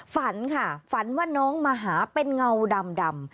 ฝันค่ะฝันว่าน้องมาหาเป็นเงาดำ